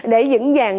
để dững dàng